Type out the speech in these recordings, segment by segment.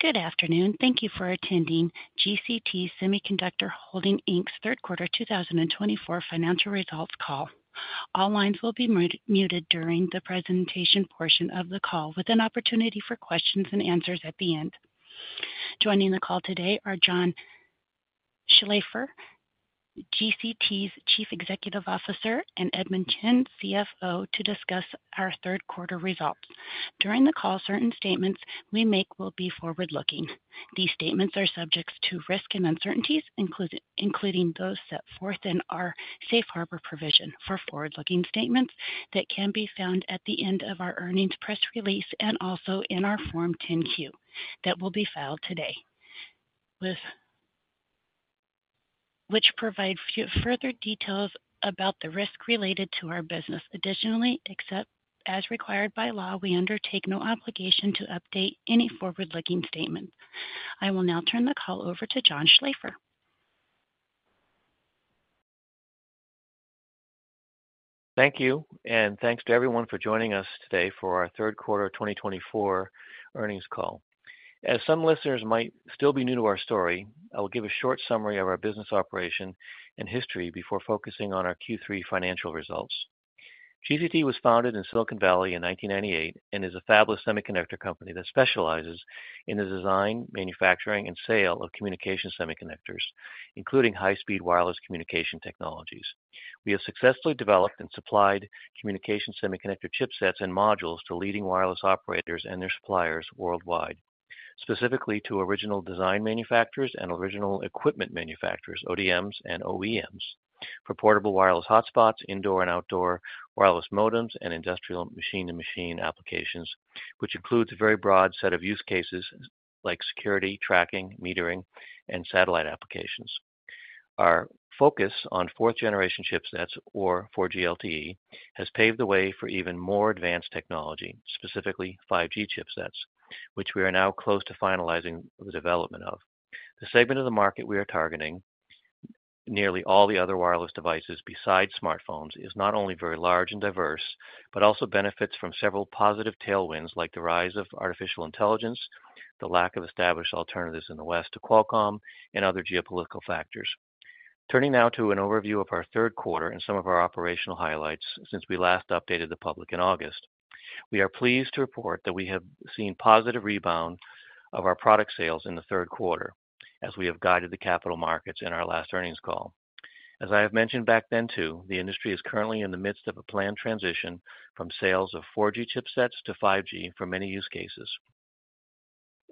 Good afternoon. Thank you for attending GCT Semiconductor Holding Inc.'s third quarter 2024 financial results call. All lines will be muted during the presentation portion of the call, with an opportunity for questions and answers at the end. Joining the call today are John Schlaefer, GCT's Chief Executive Officer, and Edmond Cheng, CFO, to discuss our third quarter results. During the call, certain statements we make will be forward-looking. These statements are subjects to risk and uncertainties, including those set forth in our Safe Harbor provision for forward-looking statements that can be found at the end of our earnings press release and also in our Form 10-Q that will be filed today, which provides further details about the risk related to our business. Additionally, as required by law, we undertake no obligation to update any forward-looking statements. I will now turn the call over to John Schlaefer. Thank you, and thanks to everyone for joining us today for our third quarter 2024 earnings call. As some listeners might still be new to our story, I will give a short summary of our business operation and history before focusing on our Q3 financial results. GCT was founded in Silicon Valley in 1998 and is a fabless semiconductor company that specializes in the design, manufacturing, and sale of communication semiconductors, including high-speed wireless communication technologies. We have successfully developed and supplied communication semiconductor chipsets and modules to leading wireless operators and their suppliers worldwide, specifically to original design manufacturers and original equipment manufacturers, ODMs and OEMs, for portable wireless hotspots, indoor and outdoor wireless modems, and industrial machine-to-machine applications, which includes a very broad set of use cases like security, tracking, metering, and satellite applications. Our focus on fourth-generation chipsets, or 4G LTE, has paved the way for even more advanced technology, specifically 5G chipsets, which we are now close to finalizing the development of. The segment of the market we are targeting, nearly all the other wireless devices besides smartphones, is not only very large and diverse but also benefits from several positive tailwinds like the rise of artificial intelligence, the lack of established alternatives in the West to Qualcomm, and other geopolitical factors. Turning now to an overview of our third quarter and some of our operational highlights since we last updated the public in August, we are pleased to report that we have seen positive rebound of our product sales in the third quarter, as we have guided the capital markets in our last earnings call. As I have mentioned back then too, the industry is currently in the midst of a planned transition from sales of 4G chipsets to 5G for many use cases.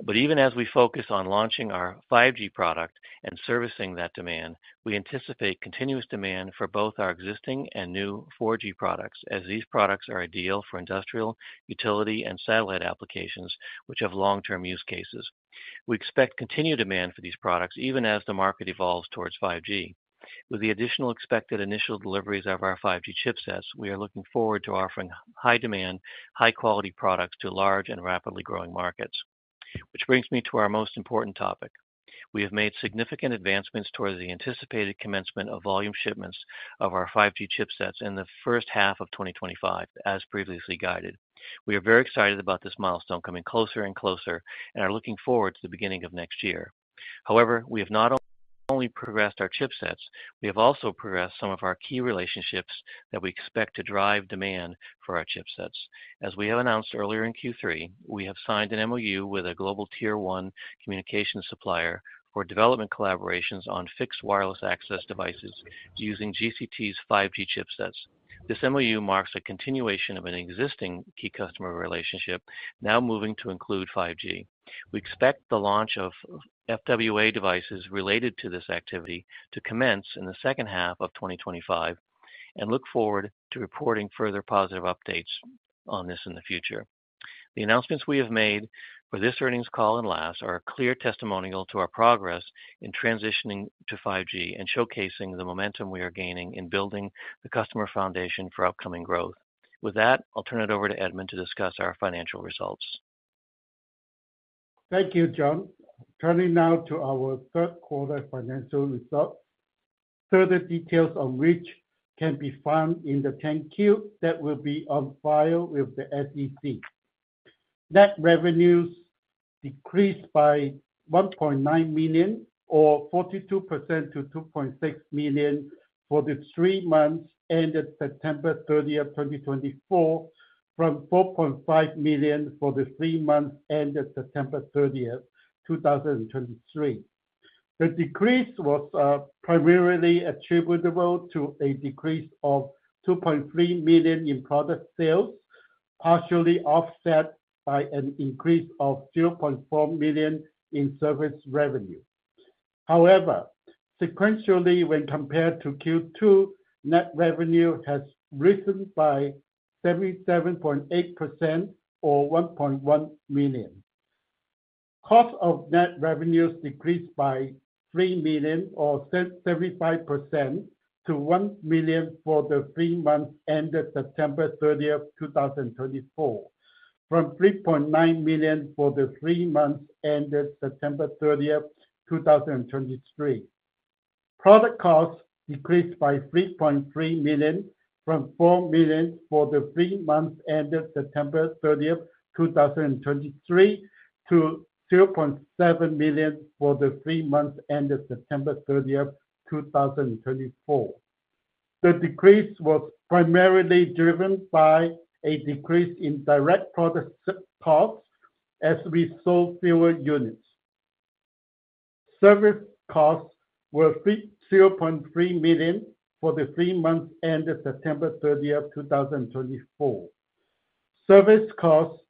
But even as we focus on launching our 5G product and servicing that demand, we anticipate continuous demand for both our existing and new 4G products, as these products are ideal for industrial, utility, and satellite applications, which have long-term use cases. We expect continued demand for these products even as the market evolves towards 5G. With the additional expected initial deliveries of our 5G chipsets, we are looking forward to offering high-demand, high-quality products to large and rapidly growing markets, which brings me to our most important topic. We have made significant advancements towards the anticipated commencement of volume shipments of our 5G chipsets in the first half of 2025, as previously guided. We are very excited about this milestone coming closer and closer and are looking forward to the beginning of next year. However, we have not only progressed our chipsets. We have also progressed some of our key relationships that we expect to drive demand for our chipsets. As we have announced earlier in Q3, we have signed an MOU with a global tier-one communications supplier for development collaborations on fixed wireless access devices using GCT's 5G chipsets. This MOU marks a continuation of an existing key customer relationship, now moving to include 5G. We expect the launch of FWA devices related to this activity to commence in the second half of 2025 and look forward to reporting further positive updates on this in the future. The announcements we have made for this earnings call and last are a clear testimonial to our progress in transitioning to 5G and showcasing the momentum we are gaining in building the customer foundation for upcoming growth. With that, I'll turn it over to Edmond to discuss our financial results. Thank you, John. Turning now to our third quarter financial results, further details on which can be found in the 10-Q that will be on file with the SEC. Net revenues decreased by $1.9 million, or 42% to $2.6 million, for the three months ended September 30, 2024, from $4.5 million for the three months ended September 30, 2023. The decrease was primarily attributable to a decrease of $2.3 million in product sales, partially offset by an increase of $0.4 million in service revenue. However, sequentially, when compared to Q2, net revenue has risen by 77.8%, or $1.1 million. Cost of net revenues decreased by $3 million, or 75%, to $1 million for the three months ended September 30, 2024, from $3.9 million for the three months ended September 30, 2023. Product costs decreased by $3.3 million from $4 million for the three months ended September 30, 2023, to $0.7 million for the three months ended September 30, 2024. The decrease was primarily driven by a decrease in direct product costs as we sold fewer units. Service costs were $0.3 million for the three months ended September 30, 2024. Service costs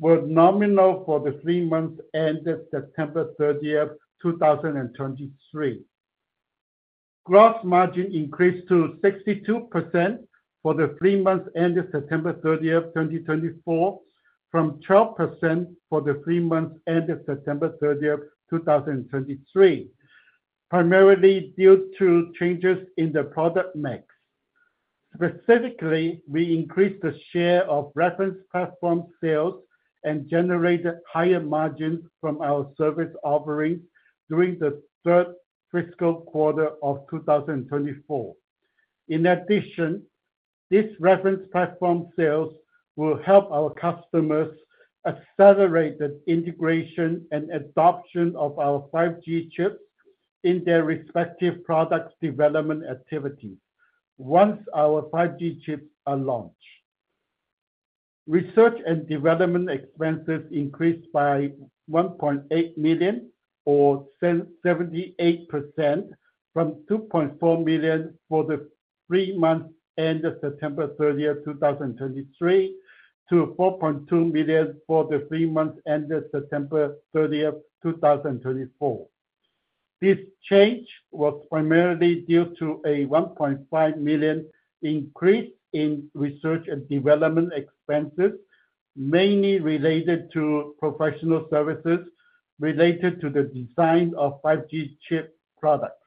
were nominal for the three months ended September 30, 2023. Gross margin increased to 62% for the three months ended September 30, 2024, from 12% for the three months ended September 30, 2023, primarily due to changes in the product mix. Specifically, we increased the share of reference platform sales and generated higher margins from our service offerings during the third fiscal quarter of 2024. In addition, this reference platform sales will help our customers accelerate the integration and adoption of our 5G chips in their respective product development activities once our 5G chips are launched. Research and development expenses increased by $1.8 million, or 78%, from $2.4 million for the three months ended September 30, 2023, to $4.2 million for the three months ended September 30, 2024. This change was primarily due to a $1.5 million increase in research and development expenses, mainly related to professional services related to the design of 5G chip products.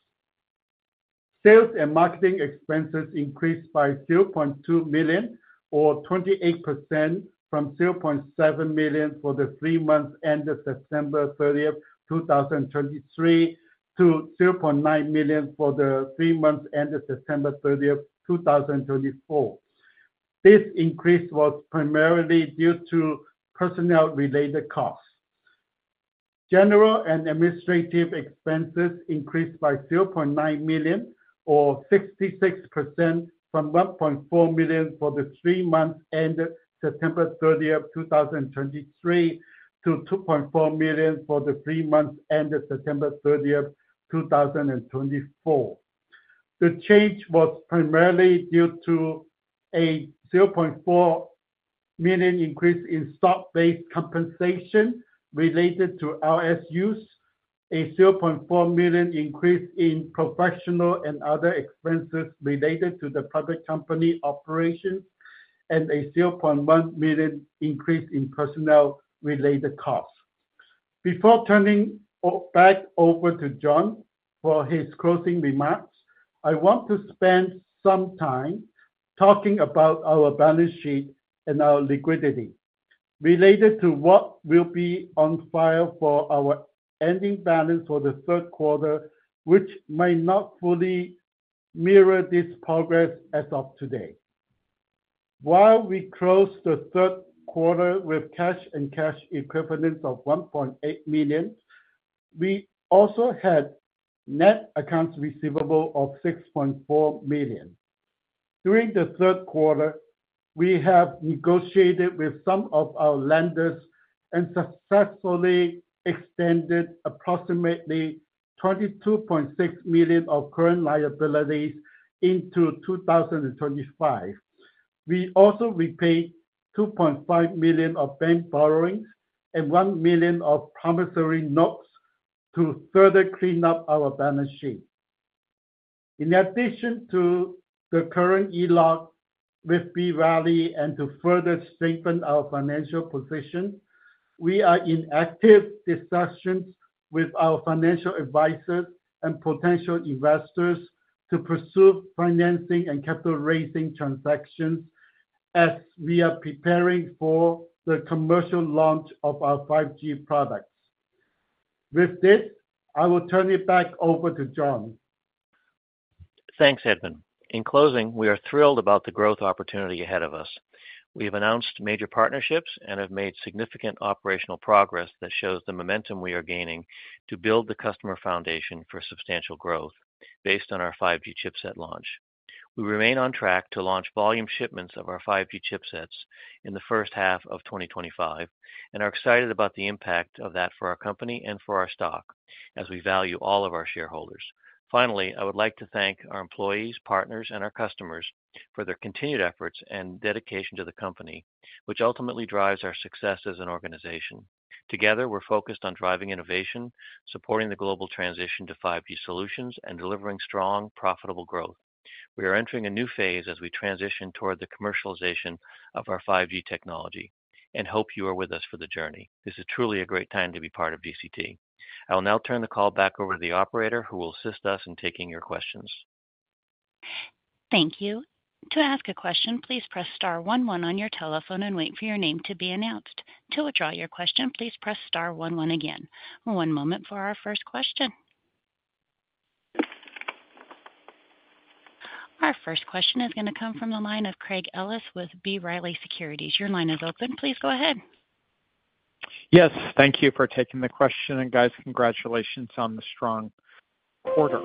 Sales and marketing expenses increased by $0.2 million, or 28%, from $0.7 million for the three months ended September 30, 2023, to $0.9 million for the three months ended September 30, 2024. This increase was primarily due to personnel-related costs. General and administrative expenses increased by $0.9 million, or 66%, from $1.4 million for the three months ended September 30, 2023, to $2.4 million for the three months ended September 30, 2024. The change was primarily due to a $0.4 million increase in stock-based compensation related to RSUs, a $0.4 million increase in professional and other expenses related to the public company operations, and a $0.1 million increase in personnel-related costs. Before turning back over to John for his closing remarks, I want to spend some time talking about our balance sheet and our liquidity related to what will be on file for our ending balance for the third quarter, which may not fully mirror this progress as of today. While we closed the third quarter with cash and cash equivalents of $1.8 million, we also had net accounts receivable of $6.4 million. During the third quarter, we have negotiated with some of our lenders and successfully extended approximately $22.6 million of current liabilities into 2025. We also repaid $2.5 million of bank borrowings and $1 million of promissory notes to further clean up our balance sheet. In addition to the current ELOC with B. Riley and to further strengthen our financial position, we are in active discussions with our financial advisors and potential investors to pursue financing and capital-raising transactions as we are preparing for the commercial launch of our 5G products. With this, I will turn it back over to John. Thanks, Edmond. In closing, we are thrilled about the growth opportunity ahead of us. We have announced major partnerships and have made significant operational progress that shows the momentum we are gaining to build the customer foundation for substantial growth based on our 5G chipset launch. We remain on track to launch volume shipments of our 5G chipsets in the first half of 2025 and are excited about the impact of that for our company and for our stock as we value all of our shareholders. Finally, I would like to thank our employees, partners, and our customers for their continued efforts and dedication to the company, which ultimately drives our success as an organization. Together, we're focused on driving innovation, supporting the global transition to 5G solutions, and delivering strong, profitable growth. We are entering a new phase as we transition toward the commercialization of our 5G technology and hope you are with us for the journey. This is truly a great time to be part of GCT. I will now turn the call back over to the operator, who will assist us in taking your questions. Thank you. To ask a question, please press star 11 on your telephone and wait for your name to be announced. To withdraw your question, please press star 11 again. One moment for our first question. Our first question is going to come from the line of Craig Ellis with B. Riley Securities. Your line is open. Please go ahead. Yes. Thank you for taking the question. And guys, congratulations on the strong quarter.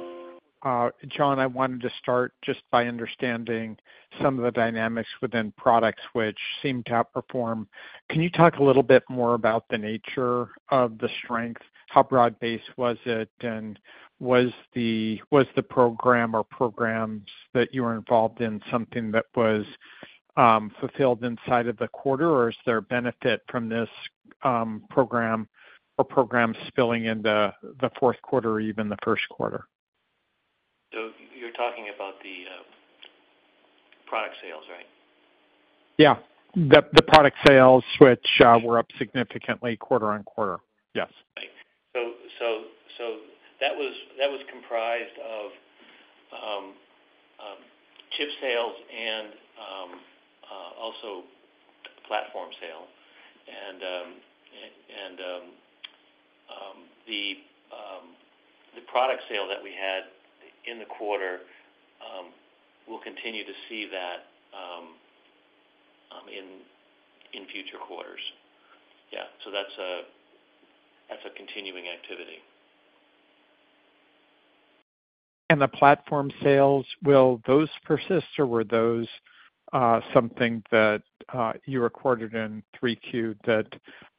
John, I wanted to start just by understanding some of the dynamics within products, which seem to outperform. Can you talk a little bit more about the nature of the strength? How broad-based was it? And was the program or programs that you were involved in something that was fulfilled inside of the quarter? Or is there a benefit from this program or programs spilling into the fourth quarter or even the first quarter? So you're talking about the product sales, right? Yeah. The product sales, which were up significantly quarter on quarter. Yes. Okay. So that was comprised of chip sales and also platform sale. And the product sale that we had in the quarter, we'll continue to see that in future quarters. Yeah. So that's a continuing activity. The platform sales, will those persist? Or were those something that you recorded in 3Q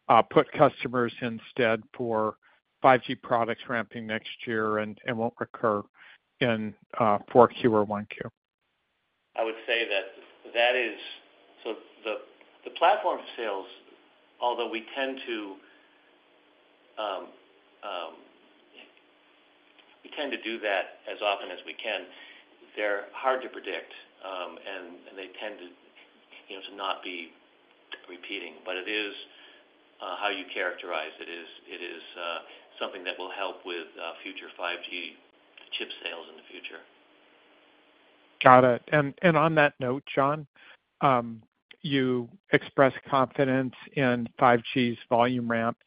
that put customers instead for 5G products ramping next year and won't recur in 4Q or 1Q? I would say that that is so the platform sales, although we tend to do that as often as we can, they're hard to predict, and they tend to not be repeating, but it is how you characterize it. It is something that will help with future 5G chip sales in the future. Got it, and on that note, John, you expressed confidence in 5G's volume ramp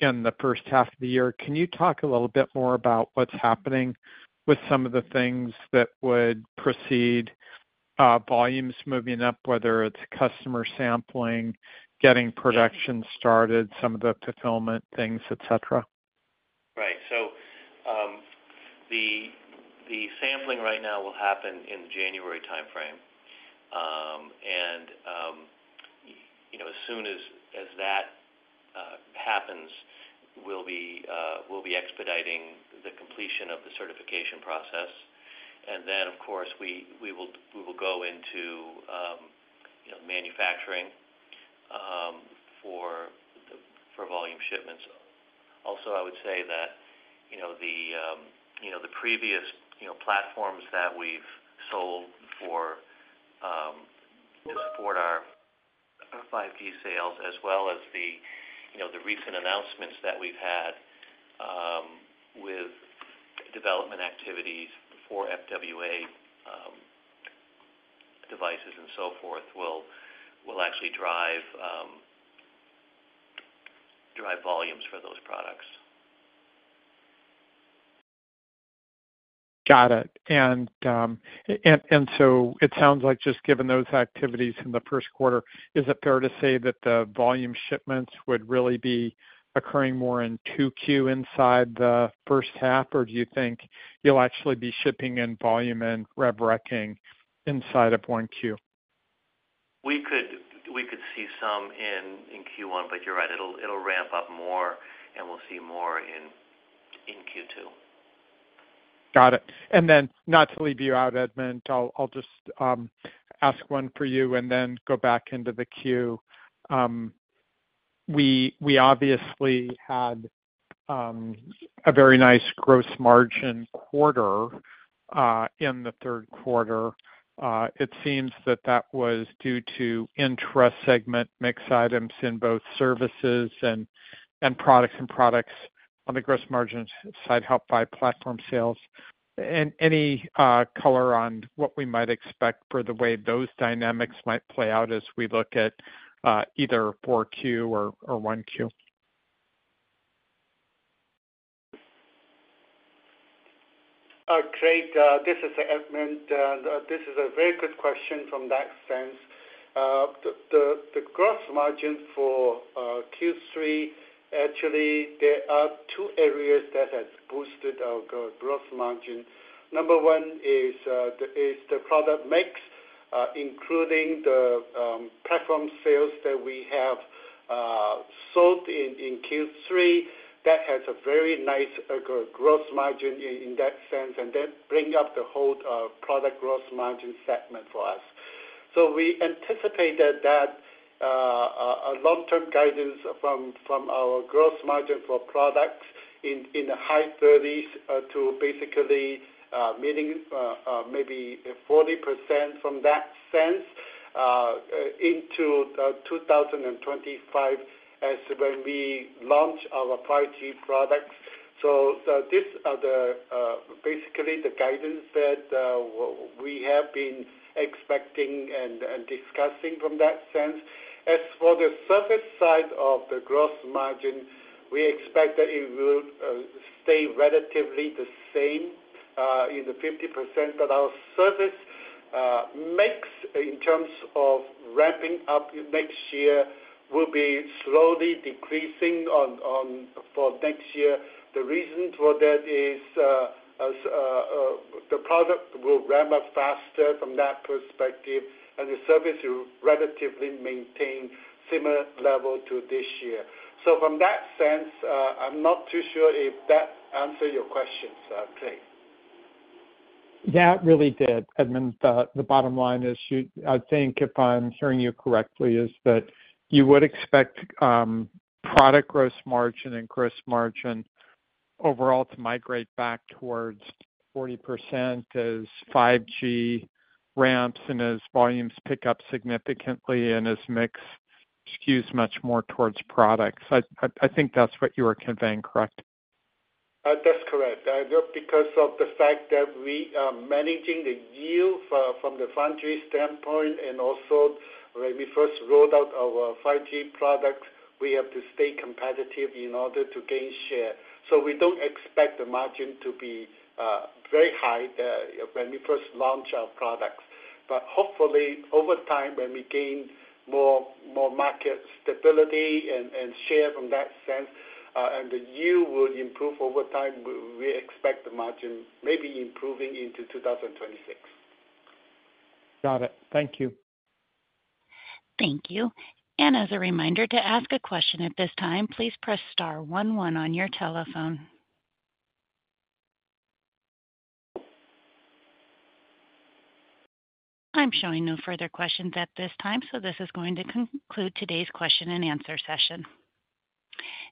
in the first half of the year. Can you talk a little bit more about what's happening with some of the things that would precede volumes moving up, whether it's customer sampling, getting production started, some of the fulfillment things, etc.? Right, so the sampling right now will happen in the January timeframe, and as soon as that happens, we'll be expediting the completion of the certification process, and then, of course, we will go into manufacturing for volume shipments. Also, I would say that the previous platforms that we've sold for to support our 5G sales, as well as the recent announcements that we've had with development activities for FWA devices and so forth, will actually drive volumes for those products. Got it. And so it sounds like just given those activities in the first quarter, is it fair to say that the volume shipments would really be occurring more in 2Q inside the first half? Or do you think you'll actually be shipping in volume and rev-recking inside of 1Q? We could see some in Q1, but you're right. It'll ramp up more, and we'll see more in Q2. Got it. And then not to leave you out, Edmond, I'll just ask one for you and then go back into the Q. We obviously had a very nice gross margin quarter in the third quarter. It seems that that was due to intrasegment mixed items in both services and products on the gross margin side helped by platform sales. And any color on what we might expect for the way those dynamics might play out as we look at either 4Q or 1Q? Craig, this is Edmond. This is a very good question from that sense. The gross margin for Q3, actually, there are two areas that have boosted our gross margin. Number one is the product mix, including the platform sales that we have sold in Q3. That has a very nice gross margin in that sense. And that brings up the whole product gross margin segment for us. So we anticipate that long-term guidance from our gross margin for products in the high 30s to basically meeting maybe 40% from that sense into 2025 as when we launch our 5G products. So these are basically the guidance that we have been expecting and discussing from that sense. As for the service side of the gross margin, we expect that it will stay relatively the same in the 50%. But our service mix, in terms of ramping up next year, will be slowly decreasing for next year. The reason for that is the product will ramp up faster from that perspective. And the service will relatively maintain a similar level to this year. So from that sense, I'm not too sure if that answered your questions, Craig. That really did. Edmond, the bottom line is, I think if I'm hearing you correctly, is that you would expect product gross margin and gross margin overall to migrate back towards 40% as 5G ramps and as volumes pick up significantly and as mixed skews much more towards products. I think that's what you were conveying, correct? That's correct. Because of the fact that we are managing the yield from the foundry standpoint, and also, when we first rolled out our 5G products, we have to stay competitive in order to gain share, so we don't expect the margin to be very high when we first launch our products, but hopefully, over time, when we gain more market stability and share from that sense and the yield will improve over time, we expect the margin may be improving into 2026. Got it. Thank you. Thank you. And as a reminder to ask a question at this time, please press star 11 on your telephone. I'm showing no further questions at this time. So this is going to conclude today's question and answer session.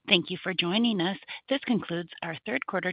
Thank you for joining us. This concludes our third quarter.